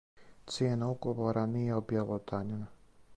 Цијена уговора није објелодањена.